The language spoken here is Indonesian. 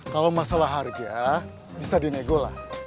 kalau masalah harga bisa di nego lah